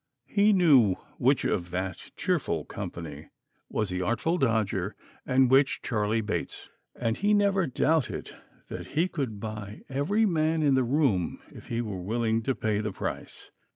He knew which of that cheerful company was the Artful Dodger and which Charley Bates. And he never doubted that he could buy every man in the room if he were willing to pay the price.